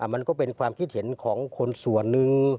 มันก็เป็นความคิดเห็นของคนส่วนหนึ่ง